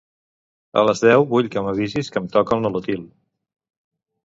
A les deu vull que m'avisis que em toca el Nolotil.